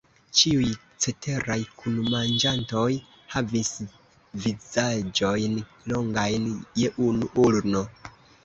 Ĉiuj ceteraj kunmanĝantoj havis vizaĝojn longajn je unu ulno.